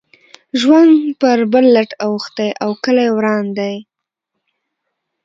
ژوند پر بل لټ اوښتی او کلی وران دی.